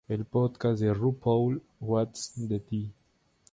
El podcast de "RuPaul: What's The Tee?